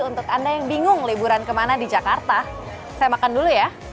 untuk anda yang bingung liburan kemana di jakarta saya makan dulu ya